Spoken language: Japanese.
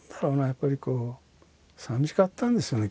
やっぱりこうさみしかったんでしょうね